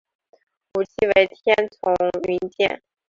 武器为天丛云剑。